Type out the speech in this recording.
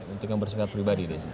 untuk yang bersifat pribadi